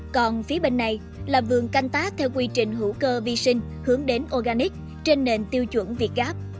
còn phía bên này là vườn canh tác theo quy trình hữu cơ vi sinh hướng đến organic trên nền tiêu chuẩn việt gáp